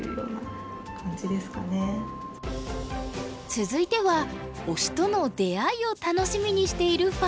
続いては推しとの出会いを楽しみにしているファンです。